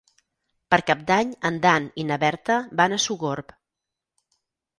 Per Cap d'Any en Dan i na Berta van a Sogorb.